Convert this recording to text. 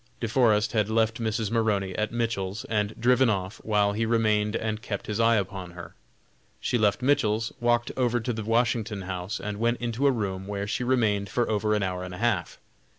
De Forest had left Mrs. Maroney at Mitchell's and driven off while he remained and kept his eye upon her. She left Mitchell's, walked over to the Washington House and went into a room where she remained for over an hour and a half.